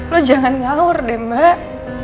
lu jangan ngaur deh mbak